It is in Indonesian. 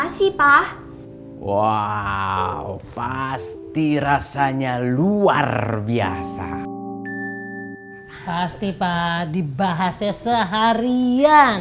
hai makasih pak wow pasti rasanya luar biasa pasti pak dibahasnya seharian